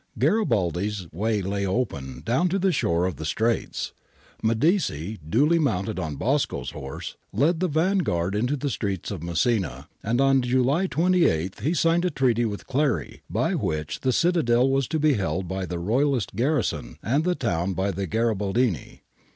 Garibaldi's way lay open down to the shore of the Straits. Medici, duly mounted on Bosco's horse, led the vanguard into the streets of Messina, and on July 28 he signed a treaty with Clary, by which the citadel was to be held by the Royahst garrison and the town by the Garibaldini.